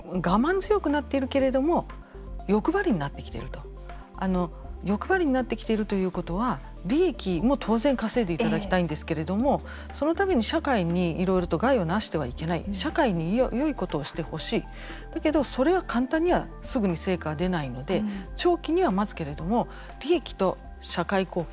強くなっているけれども欲張りになってきていると欲張りになってきているということは利益も当然稼いでいただきたいんですけれどもそのために社会にいろいろと害をなしてはいけない社会によいことをしてほしいだけどそれは簡単にはすぐに成果は出ないので長期には待つけれども利益と社会貢献